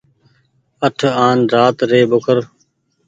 اٺ آن رآت ري ٻوکر۔